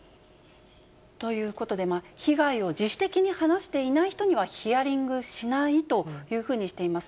ということで、被害を自主的に話していない人にはヒアリングしないというふうにしています。